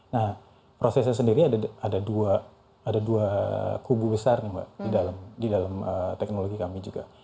nah prosesnya sendiri ada dua kubu besar nih mbak di dalam teknologi kami juga